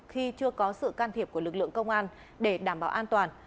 khi chưa có sự can thiệp của lực lượng công an để đảm bảo an toàn